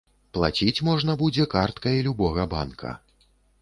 Плаціць можна будзе карткай любога банка.